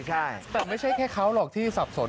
ใช่แต่ไม่ใช่แค่เขาหรอกที่สับสน